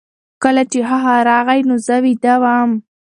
کله چې هغه راغی نو زه ویده وم.